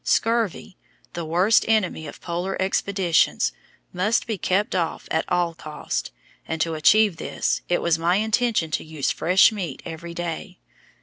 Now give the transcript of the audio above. Scurvy, the worst enemy of Polar expeditions, must be kept off at all costs, and to achieve this it was my intention to use fresh meat every day.